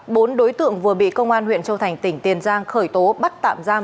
bốn đối tượng vừa bị công an huyện châu thành tỉnh tiền giang khởi tố bắt tạm giam